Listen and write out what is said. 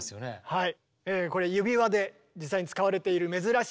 はい。